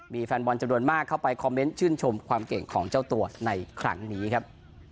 มีแฟนบอลจำนวนมากเข้าไปคอมเมนต์ชื่นชมความเก่งของเจ้าตัวในครั้งนี้ครับ